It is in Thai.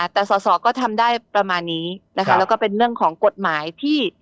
แต่สอสอก็ทำได้ประมาณนี้นะคะแล้วก็เป็นเรื่องของกฎหมายที่